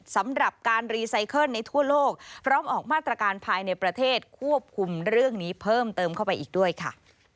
สำหรับการรีไซเคิลในทั่วโลกพร้อมออกมาตรการภายในประเทศควบคุมเรื่องนี้เพิ่มเติมเข้าไปอีกด้วยค่ะ